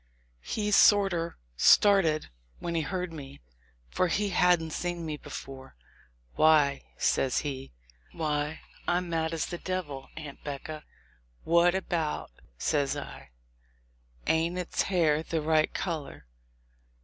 He sorter started when he heard me, for he hadn't seen me before. "Why," says he, "I'm mad as the devil, Aunt 'Becca !" "What about?" says I; "ain't its hair the right color?